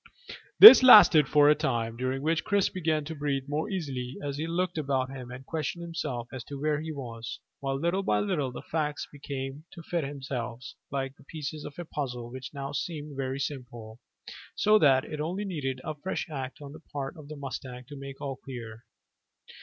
This lasted for a time, during which Chris began to breathe more easily as he looked about him and questioned himself as to where he was, while little by little the facts came to fit themselves together like the pieces of a puzzle which now seemed very simple, so that it only needed a fresh act on the part of the mustang to make all clear.